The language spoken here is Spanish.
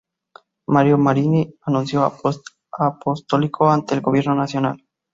Mario Marini, nuncio apostólico ante el Gobierno Nacional.